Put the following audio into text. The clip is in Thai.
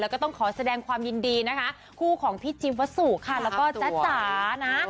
แล้วก็ต้องขอแสดงความยินดีคู่ของพี่จิวสุคและจ๊ะ